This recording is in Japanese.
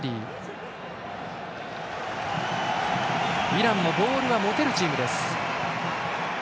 イランもボールは持てるチーム。